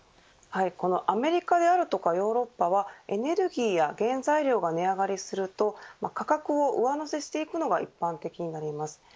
アメリカやヨーロッパはエネルギーや原材料が値上がりすると価格を上乗せしていくのが一般的になります。